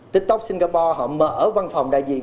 tiktok singapore mở văn phòng đại diện